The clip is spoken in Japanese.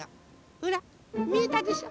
ほらみえたでしょ。